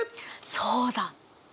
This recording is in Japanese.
そうだ！